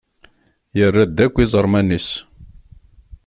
Yerra-d akk iẓerman-is.